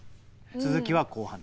続きは後半で。